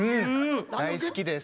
大好きです。